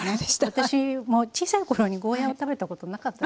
私も小さい頃にゴーヤーを食べたことなかった。